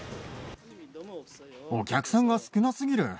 お客さんが少なすぎる。